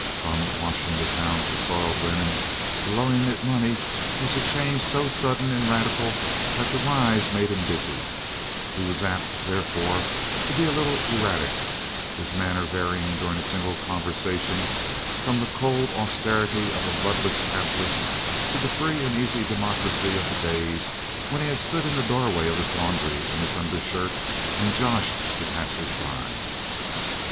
From washing the town's soiled linen to loaning it money was a change so sudden and radical that the rise made him dizzy; he was apt, therefore, to be a little erratic, his manner varying during a single conversation from the cold austerity of a bloodless capitalist to the free and easy democracy of the days when he had stood in the doorway of his laundry in his undershirt and "joshed" the passersby.